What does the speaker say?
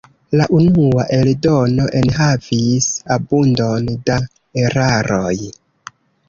La unua eldono enhavis abundon da eraroj.